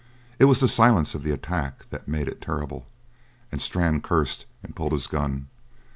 It was the silence of the attack that made it terrible, and Strann cursed and pulled his gun.